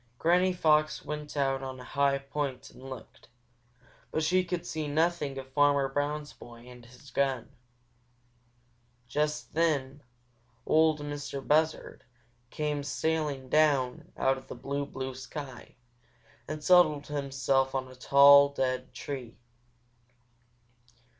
Granny Fox went out on a high point and looked, but she could see nothing of Farmer Brown's boy and his gun. Just then Ol' Mistah Buzzard came sailing down out of the blue, blue sky and settled himself on a tall, dead tree.